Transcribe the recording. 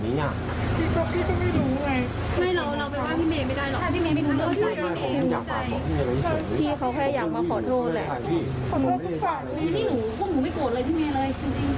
พี่หนูพี่หนูไม่โกรธเลยพี่เมย์เลย